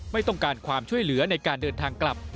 ไม่ต้องการความช่วยเหลือในการเดินทางกลับ